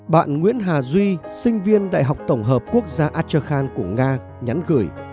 bạn nguyễn hà duy sinh viên đại học tổng hợp quốc gia acherkhand của nga nhắn gửi